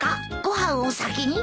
ご飯を先に？